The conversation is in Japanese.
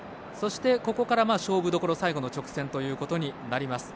ここから勝負どころ最後の直線ということになります。